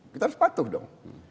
kita harus patuh dong